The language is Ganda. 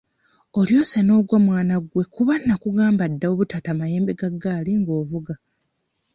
Olyose n'ogwa mwana gwe kuba nnakugamba dda obutata mayembe ga ggaali ng'ovuga.